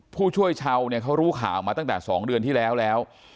ผู้ช่วยชาวเนี่ยเขารู้ข่าวมาตั้งแต่๒เดือนที่แล้วแล้ว